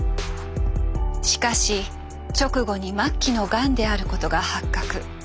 しかし直後に末期のガンであることが発覚。